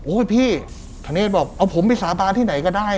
พี่ธเนธบอกเอาผมไปสาบานที่ไหนก็ได้